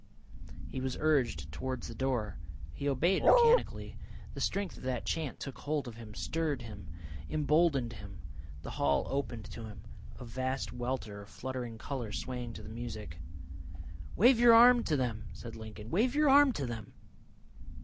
He was urged towards the door. He obeyed mechanically. The strength of that chant took hold of him, stirred him, emboldened him. The hall opened to him, a vast welter of fluttering colour swaying to the music. "Wave your arm to them," said Lincoln. "Wave your arm to them."